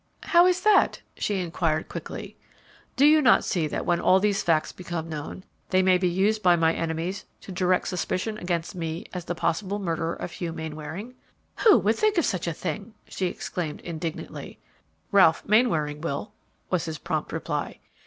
"How is that?" she inquired, quickly. "Do you not see that when all these facts become known, they may be used by my enemies to direct suspicion against me as the possible murderer of Hugh Mainwaring?" "Who would think of such a thing?" she exclaimed, indignantly. "Ralph Mainwaring will," was his prompt reply.